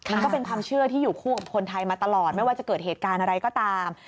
มันก็เป็นความเชื่อที่อยู่คู่กับคนไทยมาตลอดไม่ว่าจะเกิดเหตุการณ์อะไรก็ตาม